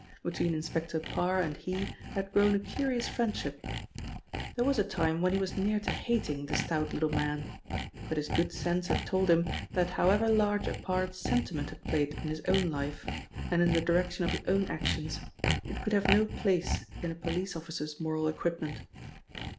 Between Inspector Parr and he there had grown a curious friendship. There was a time when he was near to hating the stout little man, but his good sense had told him that however large a part sentiment had played in his own life, and in the direction of his own actions, it could have no place in a police officer's moral equipment.